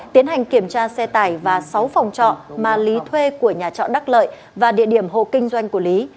tiến hành kiểm tra xe tải và sáu phòng trọ mà lý thuê của nhà trọ đắc lợi và địa điểm hộ kinh doanh của lý